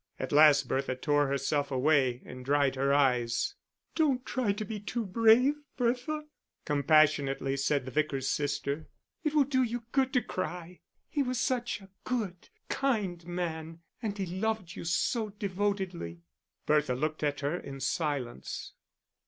At last Bertha tore herself away and dried her eyes. "Don't try and be too brave, Bertha," compassionately said the Vicar's sister. "It will do you good to cry. He was such a good, kind man, and he loved you so devotedly." Bertha looked at her in silence.